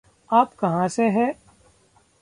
आप कहाँ से हैं